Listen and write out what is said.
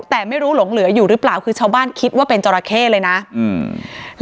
แต่ไม่รู้หลงเหลืออยู่หรือเปล่าคือชาวบ้านคิดว่าเป็นจราเข้เลยนะอืม